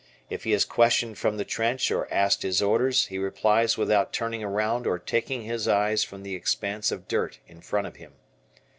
If he is questioned from the trench or asked his orders, he replies without turning around or taking his eyes from the expanse of dirt in front of him.